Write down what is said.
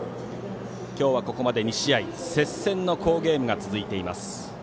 今日はここまで２試合接戦の好ゲームが続いています。